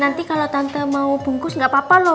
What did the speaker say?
nanti kalau tante mau bungkus nggak apa apa loh